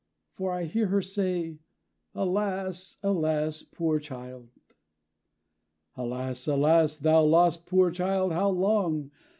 For I hear her say, 'Alas, Alas, poor child!' 'Alas, Alas, thou lost poor child, how long?